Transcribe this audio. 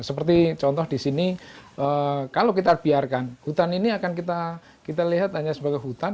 seperti contoh di sini kalau kita biarkan hutan ini akan kita lihat hanya sebagai hutan